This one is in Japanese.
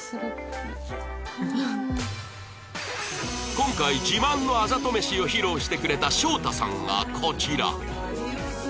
今回自慢のあざと飯を披露してくれたしょうたさんがこちら